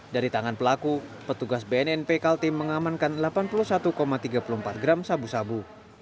dari tangan pelaku petugas bnnp kaltim mengamankan delapan puluh satu tiga puluh empat gram sabu sabu